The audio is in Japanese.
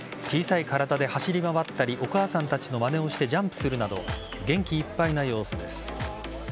小さい体で走り回ったりお母さんたちのまねをしてジャンプするなど元気いっぱいな様子です。